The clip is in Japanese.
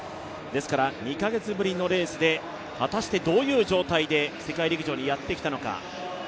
ですから２カ月ぶりのレースで果たしてどういう状況で世界陸上にやってきたのか。